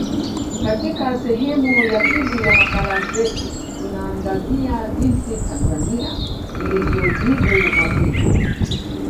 Katika sehemu ya pili ya makala zetu tunaangazia jinsi Tanzania ilivyojibu mapigo